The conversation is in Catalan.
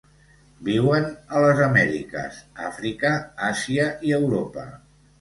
Viuen a les Amèriques, Àfrica, Àsia i Europa.